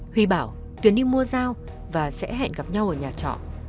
huy bảo tuyền đi mua dao và sẽ hẹn gặp nhau ở nhà trọ